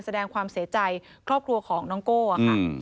แสดงความเสียใจครอบครัวของน้องโก้ค่ะ